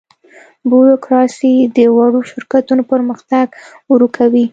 بوروکراسي د وړو شرکتونو پرمختګ ورو کوي.